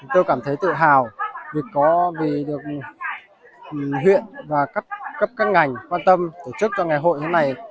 tôi cảm thấy tự hào việc có được huyện và các ngành quan tâm tổ chức cho ngày hội thế này